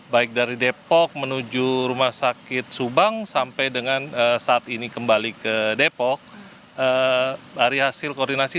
baik dari depok menuju rumah sakit subang sampai dengan saat ini kembali ke depok dari hasil koordinasi